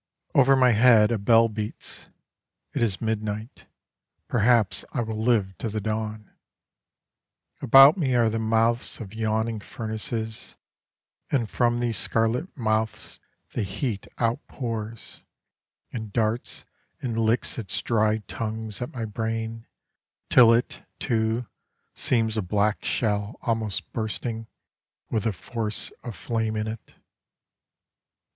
III Over my head a bell beats: it is midnight. Perhaps I will live to the dawn. About me are the mouths of yawning furnaces And from these scarlet mouths the heat outpours, And darts and licks its dry tongues at my brain Till it, too, seems a black shell almost bursting With the force of flame in it.